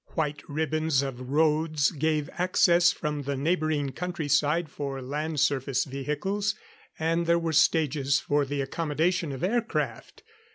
White ribbons of roads gave access from the neighboring countryside for land surface vehicles, and there were stages for the accommodation of air craft.